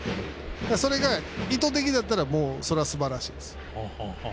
それが意図的だったらそれはすばらしいです。